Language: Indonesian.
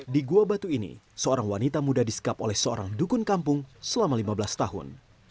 di gua batu ini seorang wanita muda disekap oleh seorang dukun kampung selama lima belas tahun